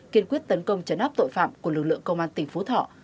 kiên quyết tấn công chấn áp tội phạm của lực lượng công an tỉnh phú thọ